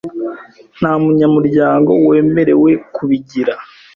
Nta munyamuryango wemerewe kubigira